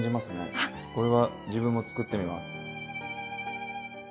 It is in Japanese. これは自分も作ってみます。